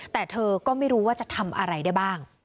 แต่เธอก็ไม่รู้ว่าจะทำอะไรได้บ้าง